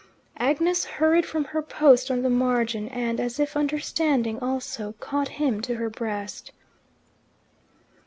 Agnes hurried from her post on the margin, and, as if understanding also, caught him to her breast.